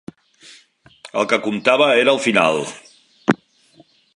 El que comptava era el final.